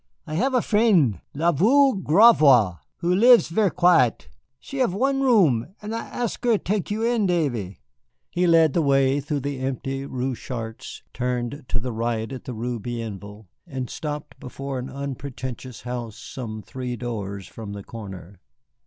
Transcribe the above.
"I have a frien', la veuve Gravois, who lives ver' quiet. She have one room, and I ask her tek you in, Davy." He led the way through the empty Rue Chartres, turned to the right at the Rue Bienville, and stopped before an unpretentious house some three doors from the corner.